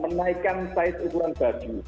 menaikan size ukuran baju